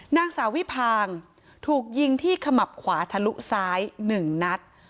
นางสาววิพางถูกยิงที่ขมับขวาทะลุซ้าย๑นัด